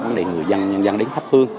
vấn đề người dân nhân dân đến thấp hương